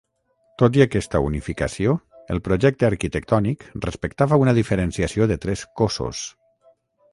Tot i aquesta unificació, el projecte arquitectònic respectava una diferenciació de tres cóssos.